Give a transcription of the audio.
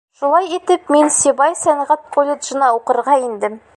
Шулай итеп мин Сибай сәнғәт колледжына уҡырға индем.